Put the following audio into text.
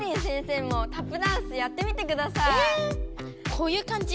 こういうかんじ？